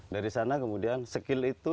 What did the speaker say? dari sana kemudian skill itu